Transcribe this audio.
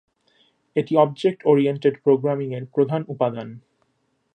এটি object oriented programming -এর প্রধান উপাদান।